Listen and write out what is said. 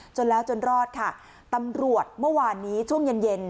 จนแล้วจนรอดค่ะตำรวจเมื่อวานนี้ช่วงเย็นเย็น